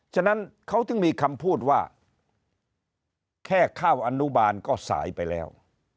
ฉะนั้นเขาถึงมีคำพูดว่าแค่ข้าวอนุบาลก็สายไปแล้ว